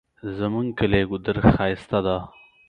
زمونږ کلی ګودر ښایسته ده